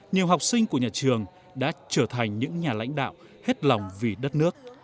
nhiều học sinh của nhà trường đã trở thành những nhà lãnh đạo hết lòng vì đất nước